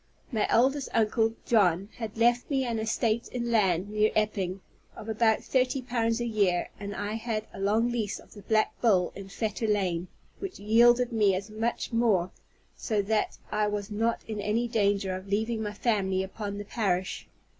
My eldest uncle John had left me an estate in land, near Epping, of about thirty pounds a year; and I had a long lease of the Black Bull in Fetter Lane, which yielded me as much more: so that I was not in any danger of leaving my family upon the parish.